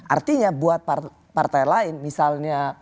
artinya buat partai lain misalnya